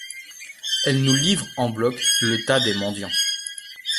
Elle nous livre en bloc le tas des mendiants ;